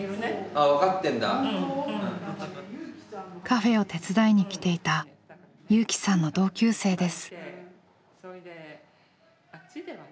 カフェを手伝いに来ていた友紀さんの同級生です。